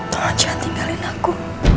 tolong jangan tinggalin aku